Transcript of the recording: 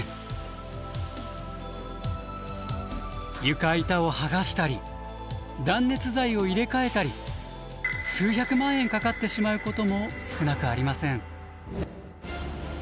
床板を剥がしたり断熱材を入れ替えたり数百万円かかってしまうことも少なくありません。